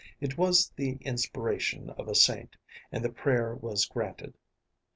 It was the inspiration of a saint, and the prayer was granted.